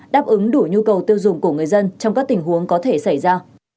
đáp ứng đủ nhu cầu tiêu dùng của người dân trong các tình huống có thể xảy ra